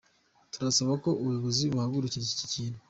Turasaba ko ubuyobozi guhagurukira iki kintu.